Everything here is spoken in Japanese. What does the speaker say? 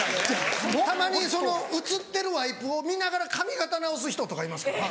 たまにその映ってるワイプを見ながら髪形直す人とかいますから。